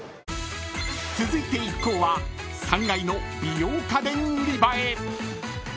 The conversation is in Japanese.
［続いて一行は３階の美容家電売り場へ］